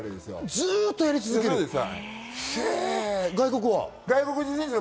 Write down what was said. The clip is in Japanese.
ずっとやり続けるんですか？